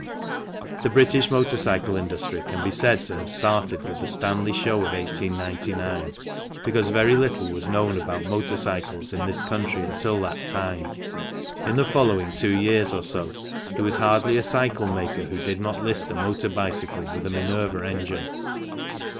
The British motor cycle industry can be said to have started with the Stanley Show of 1899, because very little was known about motor cycles in this country until that time. In the following two years or so there was hardly a cycle maker who did not list a motor bicycle with a Minerva engine.